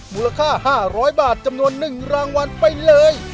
มูลค่า๕๐๐บาทจำนวน๑รางวัลไปเลย